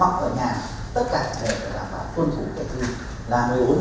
hoặc ở nhà tất cả đều được làm bằng tuân thủ cách ly là một mươi bốn ngày